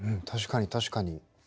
確かに確かに。